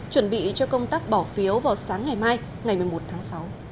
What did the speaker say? chuẩn bị cho công tác bỏ phiếu vào sáng ngày mai ngày một mươi một tháng sáu